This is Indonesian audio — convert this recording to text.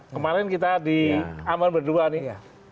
kemarin kita di aman berdua nih